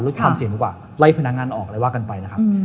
ความเสี่ยงดีกว่าไล่พนักงานออกอะไรว่ากันไปนะครับ